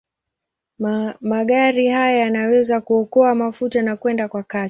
Magari haya yanaweza kuokoa mafuta na kwenda kwa kasi.